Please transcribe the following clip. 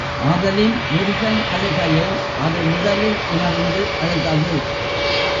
ஆதலின் முருகன் அழுகையை அது முதலில் உணர்ந்து அழுதது.